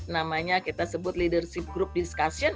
namanya kita sebut leadership group discussion